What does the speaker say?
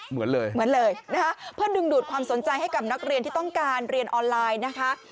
เหมือนเลยเหมือนเลยนะคะเพื่อดึงดูดความสนใจให้กับนักเรียนที่ต้องการเรียนออนไลน์นะคะ